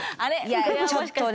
いやちょっとね。